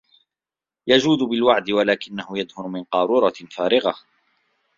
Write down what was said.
يَجُودُ بِالْوَعْدِ وَلَكِنَّهُ يَدْهُنُ مِنْ قَارُورَةٍ فَارِغَهْ